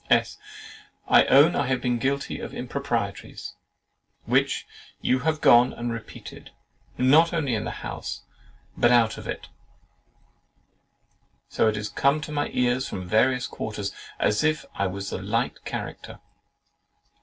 S. "I own I have been guilty of improprieties, which you have gone and repeated, not only in the house, but out of it; so that it has come to my ears from various quarters, as if I was a light character.